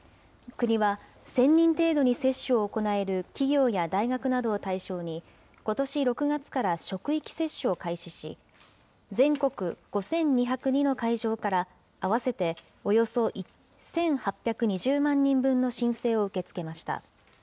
国は１０００人程度に接種を行える企業や大学などを対象に、ことし６月から職域接種を開始し、全国５２０２の会場から合わせておよそ１８２０万人分の申請を受け付けました。